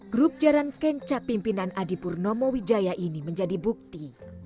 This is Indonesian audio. grup jaran kencak pimpinan adipurnomo wijaya ini menjadi bukti